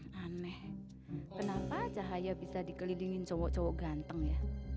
hmm aneh kenapa cahaya bisa dikelilingin cowok cowok ganteng ya